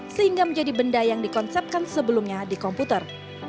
sehingga menjadi benda yang dikonsepkan sebelumnya di komputer